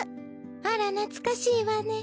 あらなつかしいわね。